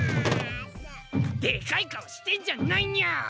でかいかおしてんじゃないニャ！